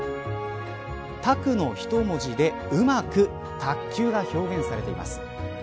卓の一文字でうまく卓球が表現されています。